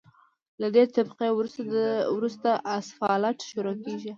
له دې طبقې وروسته اسفالټ شروع کیږي